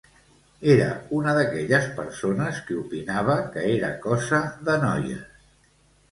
Era una d'aquelles persones que opinava que era cosa de noies.